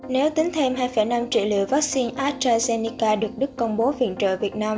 nếu tính thêm hai năm triệu liều vaccine astrazeneca được đức công bố viện trợ việt nam